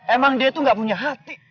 emang dia itu gak punya hati